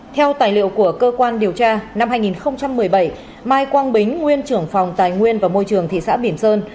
theo tài liệu của cơ quan điều tra năm hai nghìn một mươi bảy mai quang bính nguyên trưởng phòng tài nguyên và môi trường thị xã bỉm sơn